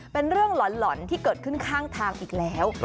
เป็นเรื่องหล่อนที่เกิดขึ้นข้างทางอีกแล้ว